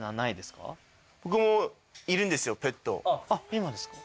今ですか？